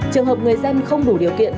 trường hợp người dân không đủ điều kiện